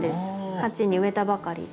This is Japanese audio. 鉢に植えたばかりで。